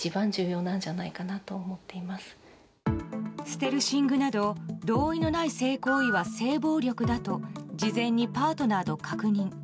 ステルシングなど同意のない性行為は性暴力だと事前にパートナーと確認。